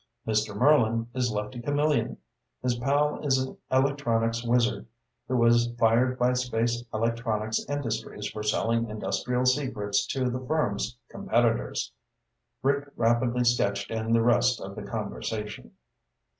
"Mr. Merlin is Lefty Camillion. His pal is an electronics wizard who was fired by Space Electronics Industries for selling industrial secrets to the firm's competitors." Rick rapidly sketched in the rest of the conversation.